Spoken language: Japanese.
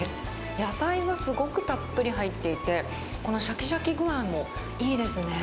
野菜がすごくたっぷり入っていて、このしゃきしゃき具合もいいですね。